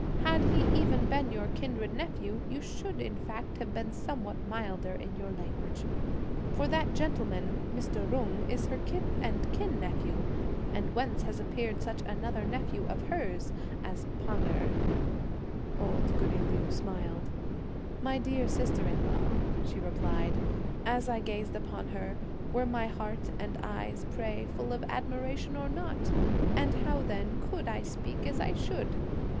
Had he even been your kindred nephew, you should in fact have been somewhat milder in your language; for that gentleman, Mr. Jung, is her kith and kin nephew, and whence has appeared such another nephew of hers (as Pan Erh)?" Old goody Liu smiled. "My dear sister in law," she replied, "as I gazed upon her, were my heart and eyes, pray, full of admiration or not? and how then could I speak as I should?"